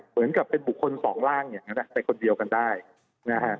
เหมือนกับเป็นบุคคลสองร่างอย่างนั้นไปคนเดียวกันได้นะฮะ